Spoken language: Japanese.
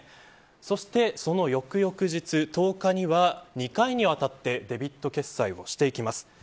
そして、その翌々日１０日には２回にわたってデビット決済をしていきます。